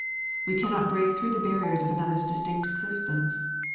We cannot break through the barriers of another's distinct existence.